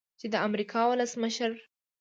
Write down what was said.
چې د امریکا ولسمشر